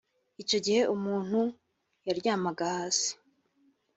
icyo gihe umuntu yaryamaga hasi …